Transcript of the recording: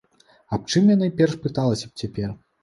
Аб чым я найперш пыталася б цяпер?